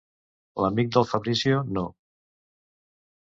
L'amic del Fabrizio, no.